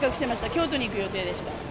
京都に行く予定でした。